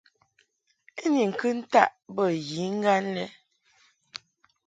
I ni ŋkɨ ntaʼ bə yiŋgan lɛ.